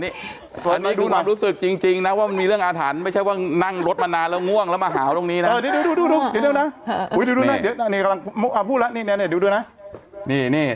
เดี๋ยวผมไม่เห็นอันนี้อันนี้ดูความรู้สึกจริงจริงนะว่ามันมีเรื่องอาถรรพ์ไม่ใช่ว่านั่งรถมานานแล้วง่วงแล้วมาหาวตรงนี้นะเออนี่ดูดูดูดูดูดูนะอุ้ยดูดูนะเดี๋ยวนี่กำลังอ่าพูดแล้วนี่นี่นี่ดูดูนะนี่นี่